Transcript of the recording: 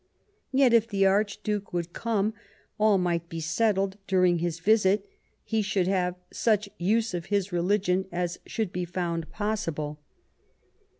Yet, if the Archduke would come, all might be settled; during his visit he should have " such use of his religion as should be found possible